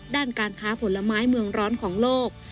ด้านการค้าผลไม้เมืองร้อนของโลก